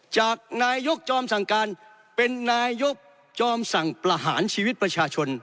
จากนายกจอมสั่งการเป็นนายกจอมสั่งประหารชีวิตประชาชน